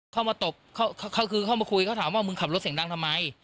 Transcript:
เข้ามาตบเขาคือเข้ามาคุยเขาถามว่ามึงขับรถเสียงดังทำไม